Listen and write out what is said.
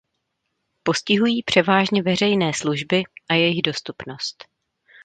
Postihují převážně veřejné služby a jejich dostupnost.